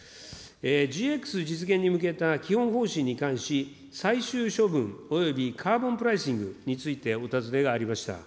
ＧＸ実現に向けた基本方針に対し、最終処分およびカーボンプライシングについてお尋ねがありました。